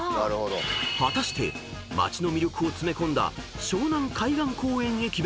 ［果たして街の魅力を詰め込んだ湘南海岸公園駅